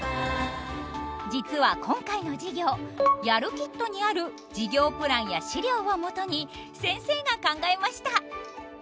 実は今回の授業やるキットにある授業プランや資料をもとに先生が考えました。